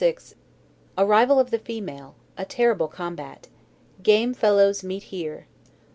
Arrival of the Female A Terrible Combat "Game Fellows Meet Here!"